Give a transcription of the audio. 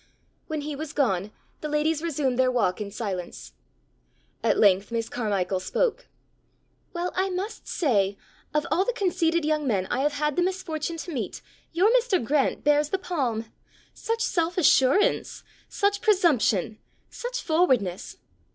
When he was gone, the ladies resumed their walk in silence. At length Miss Carmichael spoke. "Well, I must say, of all the conceited young men I have had the misfortune to meet, your Mr. Grant bears the palm! Such self assurance! such presumption! such forwardness!"